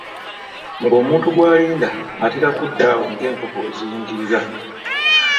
Ng'omuntu gw’alinda atera kudda awo ng'enkoko we ziyingirira.